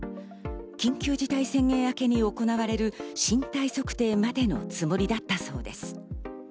緊急事態宣言明けに行われる身体測定までのつもりだったそうです。